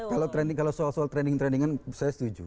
kalau trending kalau soal soal trending trendingan saya setuju